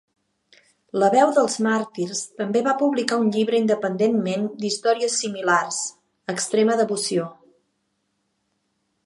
La veu dels màrtirs també va publicar un llibre independentment d'històries similars, "extrema devoció".